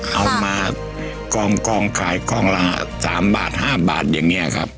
เอามากองขายกล้องละ๓บาท๕บาทอย่างนี้ครับ